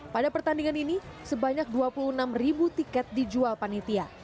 pada pertandingan ini sebanyak dua puluh enam ribu tiket dijual panitia